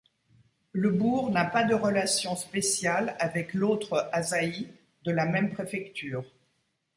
Le bourg n'a pas de relations spéciales avec l'autre Asahi de la même préfecture.